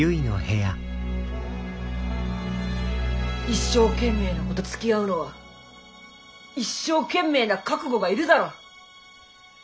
一生懸命の子とつきあうのは一生懸命な覚悟がいるだろ。